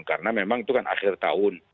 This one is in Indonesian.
karena memang itu kan akhir tahun